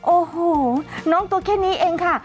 โอ้โหน้องตัวแค่นี้เองค่ะ